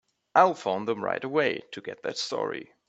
I'll phone them right away to get that story.